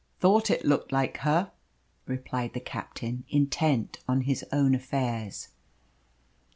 "Thought it looked like her!" replied the captain, intent on his own affairs.